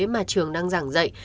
mà trường đang giảng dạy